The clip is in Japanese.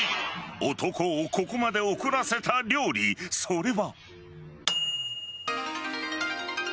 男をここまで怒らせた料理それは。